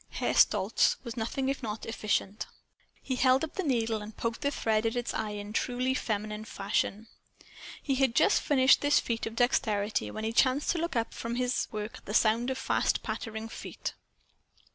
Herr Stolz was nothing if not efficient. He held up the needle and poked the thread at its eye in truly feminine fashion. He had just finished this feat of dexterity when he chanced to look up from his work at sound of fast pattering feet.